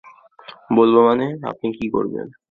বলব মানে, আপনি কী করবেন?